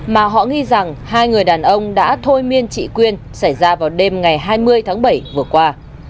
mà họ nghĩ rằng hai người đàn ông đã thôi miên chị quyên xảy ra vào đêm ngày hai mươi tháng bảy vừa qua